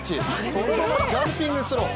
そのままジャンピングスロー。